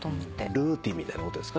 ルーティンみたいなことですかね？